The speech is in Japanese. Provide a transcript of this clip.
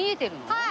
はい。